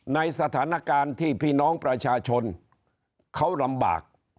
ในสถานการณ์ที่พี่น้องประชาชนเขาลำบาก